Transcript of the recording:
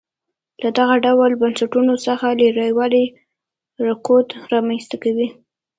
له دغه ډول بنسټونو څخه لرېوالی رکود رامنځته کوي.